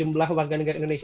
jumlah warga negara indonesia